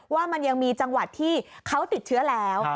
ว่ามันยังมีจังหวัดที่เขาติดเชื้อแล้ว